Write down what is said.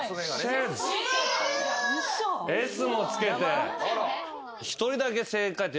「ｓ」もつけて。